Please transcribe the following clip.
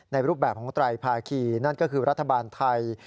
รูปแบบของไตรภาคีนั่นก็คือรัฐบาลไทย